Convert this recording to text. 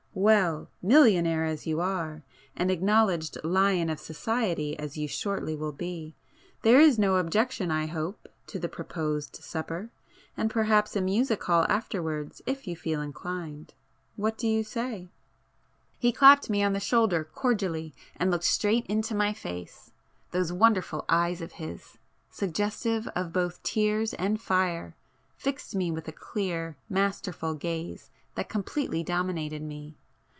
Well!—millionaire as you are, and acknowledged lion of society as you shortly will be, there is no objection I hope, to the proposed supper? And perhaps a music hall afterwards if you feel inclined,—what do you say?" He clapped me on the shoulder cordially and looked straight into my face,—those wonderful eyes of his, suggestive [p 26] of both tears and fire, fixed me with a clear masterful gaze that completely dominated me.